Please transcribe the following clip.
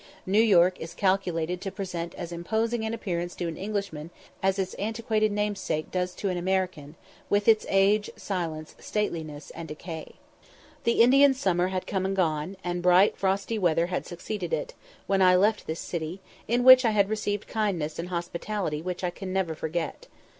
New York is calculated to present as imposing an appearance to an Englishman as its antiquated namesake does to an American, with its age, silence, stateliness, and decay. The Indian summer had come and gone, and bright frosty weather had succeeded it, when I left this city, in which I had received kindness and hospitality which I can never forget.